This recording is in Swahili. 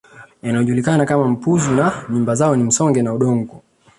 Yaliyojulikana kama mpuzu na nyumba zao ni za Msonge na udongo